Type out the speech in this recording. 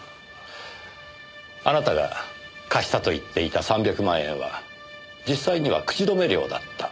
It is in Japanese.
あなたが貸したと言っていた３００万円は実際には口止め料だった。